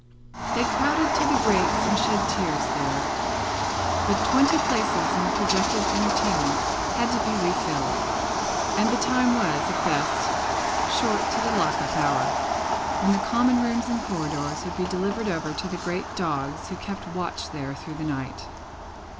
They crowded to the grates and shed tears there; but, twenty places in the projected entertainments had to be refilled, and the time was, at best, short to the lock up hour, when the common rooms and corridors would be delivered over to the great dogs who kept watch there through the night.